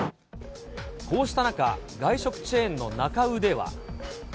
こうした中、外食チェーンのなか卯では。